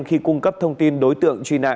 khi cung cấp thông tin đối tượng truy nã